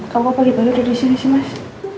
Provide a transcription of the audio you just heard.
kamu pagi baru dari sini sih mas